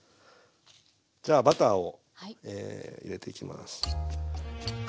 じゃあバターを入れていきます。